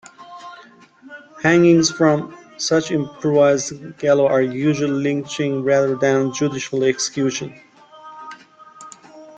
Hangings from such improvised gallows are usually lynchings rather than judicial executions.